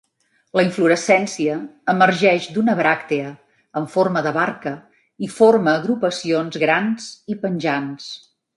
La inflorescència emergeix d'una bràctea en forma de barca i forma agrupacions grans i penjants.